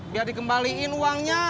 biar dikembalikan uangnya